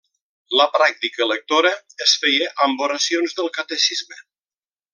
La pràctica lectora es feia amb oracions del catecisme.